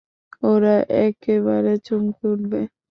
ওরা একেবারে চমকে উঠবে।